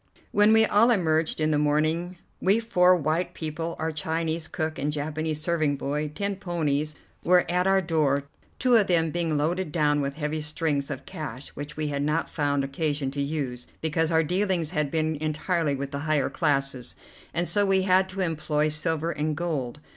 When we all emerged in the morning, we four white people, our Chinese cook and Japanese serving boy, ten ponies were at our door, two of them being loaded down with heavy strings of cash which we had not found occasion to use, because our dealings had been entirely with higher classes and so we had had to employ silver and gold.